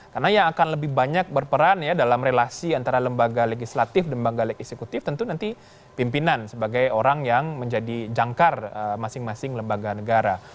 karena yang akan lebih banyak berperan dalam relasi antara lembaga legislatif dan lembaga eksekutif tentu nanti pimpinan sebagai orang yang menjadi jangkar masing masing lembaga negara